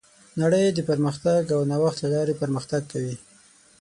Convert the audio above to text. نړۍ د پرمختګ او نوښت له لارې پرمختګ کوي.